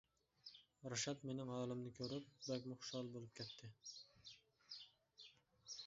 رىشات مېنىڭ ھالىمنى كۆرۈپ بەكمۇ خۇشال بولۇپ كەتتى.